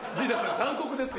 残酷ですよ。